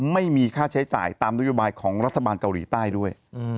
ไม่มีค่าใช้จ่ายตามนโยบายของรัฐบาลเกาหลีใต้ด้วย